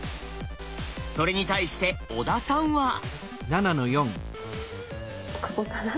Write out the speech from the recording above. それに対して小田さんは。ここかな。